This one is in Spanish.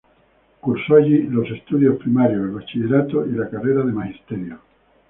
Cursó allí los estudios primarios, el Bachillerato y la carrera de Magisterio.